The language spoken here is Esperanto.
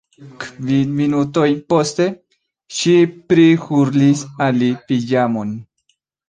Kvin minutojn poste, ŝi prihurlis al li piĵamon.